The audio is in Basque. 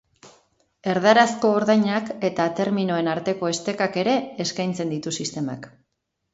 Erdarazko ordainak eta terminoen arteko estekak ere eskaintzen ditu sistemak.